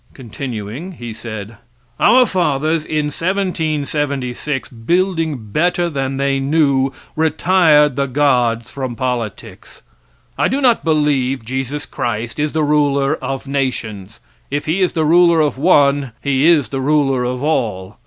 ] Continuing he said: Our fathers, in 1776, building better than they knew, retired the gods from politics. I do not believe Jesus Christ is the ruler of nations. If he is the ruler of one he is the ruler of all.